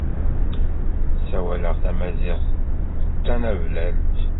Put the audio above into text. Ssawaleɣ tamaziɣt d tanablalt.